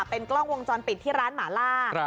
เป็นกล้องวงจรปิดที่ร้านหมาล่า